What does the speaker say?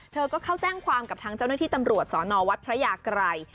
เธอก็เข้าแจ้งความกับทางเจ้าหน้าที่ตำรวจสอนอวัดพระยากรัย